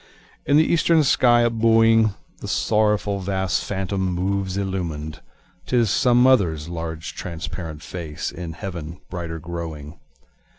In the eastern sky up buoying, The sorrowful vast phantom moves illuminâd, (âTis some motherâs large transparent face, In heaven brighter growing.)